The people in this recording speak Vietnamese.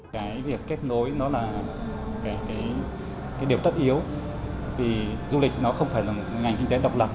cái việc kết nối nó là cái điều tất yếu vì du lịch nó không phải là một ngành kinh tế độc lập